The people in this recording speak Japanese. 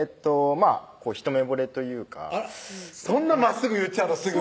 まぁ一目ぼれというかあらっそんなまっすぐ言っちゃうの？